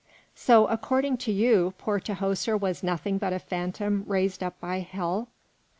"So, according to you, poor Tahoser was nothing but a phantom raised up by hell?"